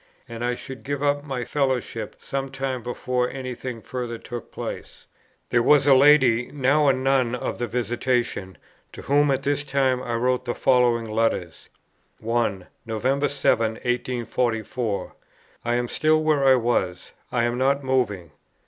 And I should give up my fellowship some time before any thing further took place." There was a lady, now a nun of the Visitation, to whom at this time I wrote the following letters: 1. "November 7, 1844. I am still where I was; I am not moving.